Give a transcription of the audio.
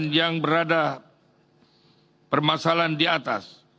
yang berada permasalahan di atas